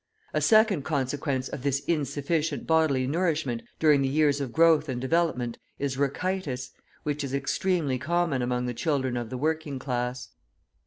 A second consequence of this insufficient bodily nourishment, during the years of growth and development, is rachitis, which is extremely common among the children of the working class.